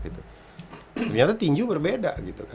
ternyata tinju berbeda